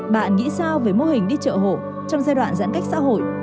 bạn nghĩ sao về mô hình đi chợ hộ trong giai đoạn giãn cách xã hội